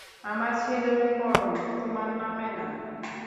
আমার ছেলে পরম, তোমার নামে না।